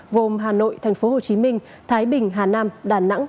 gồm hà nội tp hcm thái bình hà nam đà nẵng